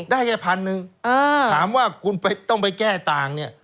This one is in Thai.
ได้แค่พันหนึ่งถามว่าคุณต้องไปแก้ต่างเนี่ย